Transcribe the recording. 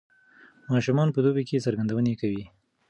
ماشومان په دوبي کې ګرځندويي کوي.